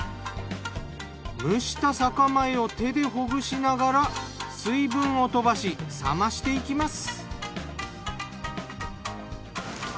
蒸した酒米を手でほぐしながら水分を飛ばし冷ましていきます。